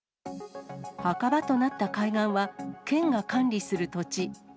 墓場となった海岸は、県が管理する土地。